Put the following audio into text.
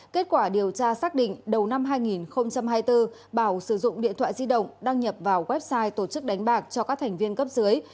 kết quả điều tra xác định đầu năm hai nghìn hai mươi bốn bảo sử dụng điện thoại di động đăng nhập vào website tổ chức đánh bạc cho các thành viên cấp dưới